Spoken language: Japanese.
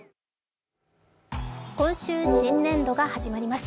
今週新年度が始まります。